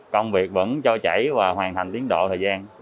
công việc vẫn cho chảy và hoàn thành tiến độ thời gian